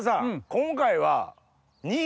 今回は。